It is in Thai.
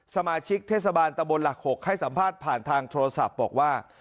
สมาชิกเทศบาลตะบนหลัก๖ให้สัมภาษณ์ผ่านทางโทรศัพท์บอกว่า